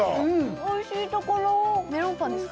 おいしいところメロンパンですか？